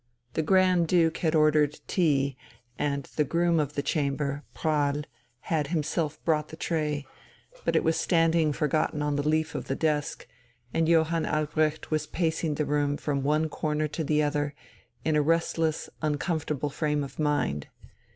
The Grand Duke had ordered tea, and the groom of the chamber, Prahl, had himself brought the tray; but it was standing forgotten on the leaf of the desk, and Johann Albrecht was pacing the room from one corner to the other in a restless, uncomfortable frame of mind.